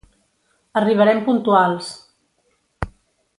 Arribarem puntuals.